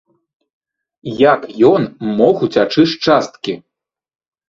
Як ён мог уцячы з часткі?